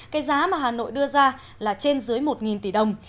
cái giá mà hà nội đưa ra là trên dưới một tỷ đồng